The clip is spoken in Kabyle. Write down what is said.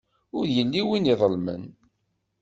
Ur yelli win iḍelmen.